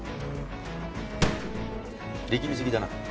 力みすぎだな。